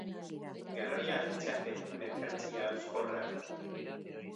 Garraia al ditzaket merkantzia hauskorrak?